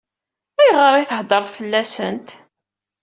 Ayɣer i theddṛeḍ fell-asent?